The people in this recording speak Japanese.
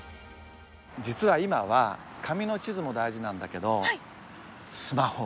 実は今は紙の地図も大事なんだけどスマホ。